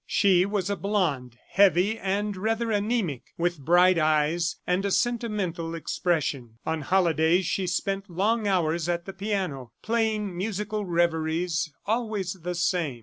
She was a blonde, heavy and rather anaemic, with bright eyes and a sentimental expression. On holidays she spent long hours at the piano, playing musical reveries, always the same.